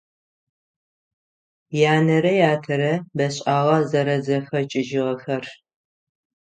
Янэрэ ятэрэ бэшIагъэ зэрэзэхэкIыжьыгъэхэр.